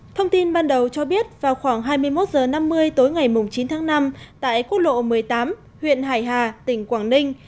thông tin ban đầu cho biết vào khoảng hai mươi một h năm mươi tối ngày chín tháng năm tại quốc lộ một mươi tám huyện hải hà tỉnh quảng ninh